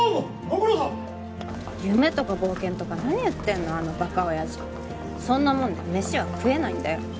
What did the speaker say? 夢とか冒険とか何言ってんのあのバカ親父そんなもんでメシは食えないんだよ